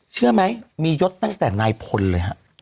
เชื่อไหมมียศตั้งแต่นายพลเลยฮะ